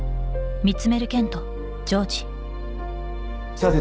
さて